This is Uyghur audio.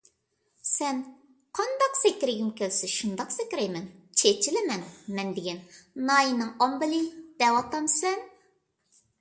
سەن قانداق سەكرىگۈم كەلسە شۇنداق سەكرەيمەن، چېچىلىمەن، مەن دېگەن ناھىيىنىڭ ئامبىلى دەۋاتامسەن؟!